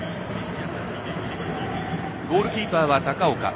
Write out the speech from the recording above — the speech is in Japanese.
ゴールキーパーは高丘。